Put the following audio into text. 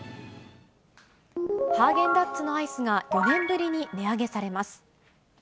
ハーゲンダッツのアイスが４年ぶりに値上げされます。